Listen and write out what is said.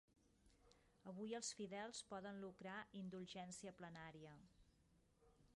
Avui els fidels poden lucrar indulgència plenària.